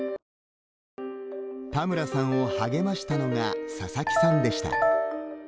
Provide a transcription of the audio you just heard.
田村さんを励ましたのが佐々木さんでした。